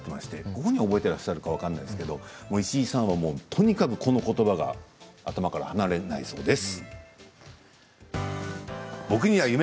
ご本人は覚えていらっしゃるか分からないですけれども石井さんはとにかくこのことばが頭から離れないそうです。